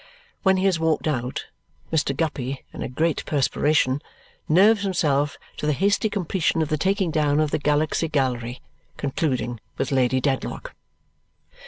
When he has walked out, Mr. Guppy, in a great perspiration, nerves himself to the hasty completion of the taking down of the Galaxy Gallery, concluding with Lady Dedlock.